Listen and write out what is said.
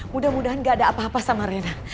mudah mudahan gak ada apa apa sama rena